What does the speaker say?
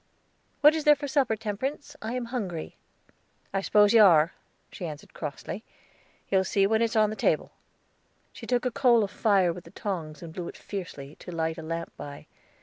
"What is there for supper, Temperance? I am hungry." "I spose you are," she answered crossly. "You'll see when it's on the table." She took a coal of fire with the tongs, and blew it fiercely, to light a lamp by.